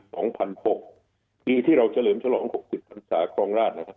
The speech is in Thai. ที่ที่เราเจริมฉลองกฎกศึกษาครองราช